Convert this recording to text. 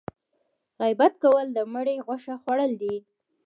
غیبت کول د مړي غوښه خوړل دي